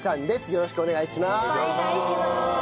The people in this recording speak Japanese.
よろしくお願いします。